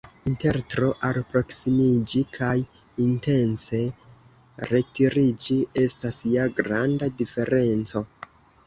Inter tro alproksimiĝi kaj intence retiriĝi estas ja granda diferenco!